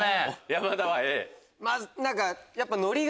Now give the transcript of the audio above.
山田は「Ａ」。